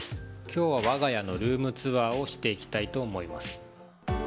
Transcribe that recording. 今日は我が家のルームツアーをしていきたいと思います。